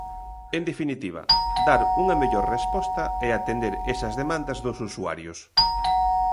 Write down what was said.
En definitiva, dar unha mellor resposta e atender esas demandas dos usuarios.